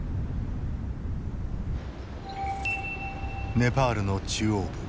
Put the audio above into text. ネパールの中央部。